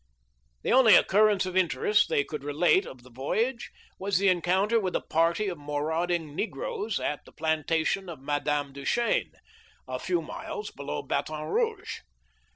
The only occurrence of interest they could relate of the voyage was the encounter with a party of marauding negroes at the plantation of Madame Duchesne, a few miles below Baton Rouge.